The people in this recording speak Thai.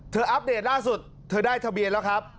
อัปเดตล่าสุดเธอได้ทะเบียนแล้วครับ